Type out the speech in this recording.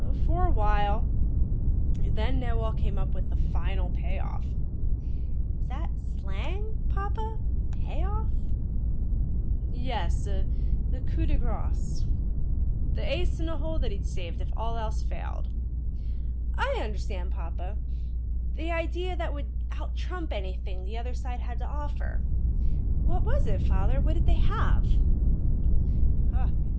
"For a while. Then Knowall came up with the final pay off." "Is that slang, papa? Pay off?" "Yes. The coup de grace. The ace in the hole that he'd saved, if all else failed." "I understand, papa. The idea that would out trump anything the other side had to offer. What was it, father? What did they have?"